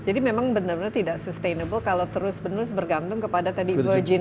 jadi memang benar benar tidak sustainable kalau terus benar bergantung kepada tadi gua jenreisin itu